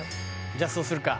じゃあそうするか？